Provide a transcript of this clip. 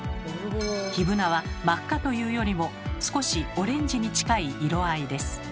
ヒブナは真っ赤というよりも少しオレンジに近い色合いです。